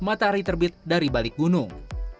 matahari terbit dari balik gunung